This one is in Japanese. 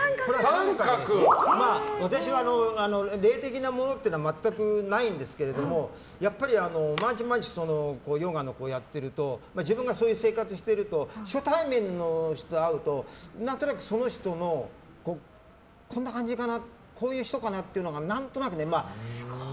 私は霊的なものは全くないんですけどやっぱり毎日毎日ヨガをやってると自分がそういう生活してると初対面の人に会うと何となくその人のこんな感じかなこういう人かなっていうのが何となくね。